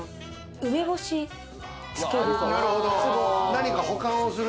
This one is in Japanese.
梅干しつけるつぼ。